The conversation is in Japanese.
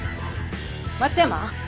松山？